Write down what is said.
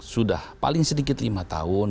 sudah paling sedikit lima tahun